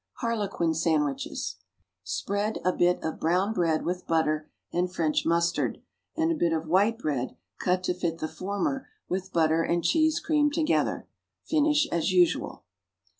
=Harlequin Sandwiches.= Spread a bit of brownbread with butter and French mustard, and a bit of white bread, cut to fit the former, with butter and cheese creamed together. Finish as usual.